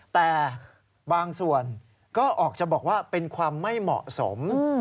แต่บางส่วนก็ออกจะบอกว่าเป็นความไม่เหมาะสม